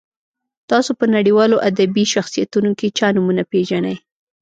تاسو په نړیوالو ادبي شخصیتونو کې چا نومونه پیژنئ.